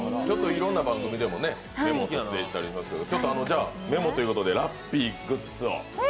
いろんな番組でもメモをとってたりしますけどもじゃあ、メモということでラッピーグッズを。